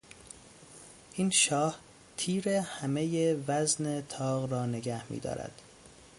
این شاه تیر همهی وزن طاق را نگه میدارد.